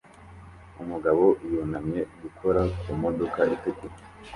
Umugabo yunamye gukora ku modoka itukura